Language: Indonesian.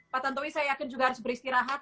pak tantowi saya yakin juga harus beristirahat